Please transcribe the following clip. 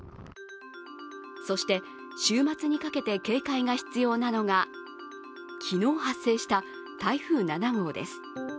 そして週末にかけて警戒が必要なのが昨日、発生した台風７号です。